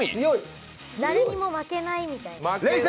誰にも負けないみたいな。